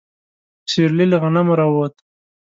سيرلي له غنمو راووت.